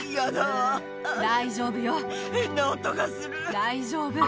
大丈夫。